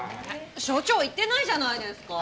所長行ってないじゃないですか！